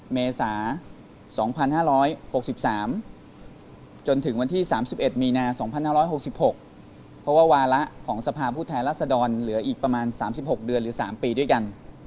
เมษา๒๕๖๓จนถึงวันที่๓๑มีนา๒๕๖๖เพราะว่าวาระของสภาพผู้แทนรัศดรเหลืออีกประมาณ๓๖เดือนหรือ๓ปีด้วยกัน